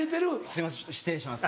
すいません失礼します。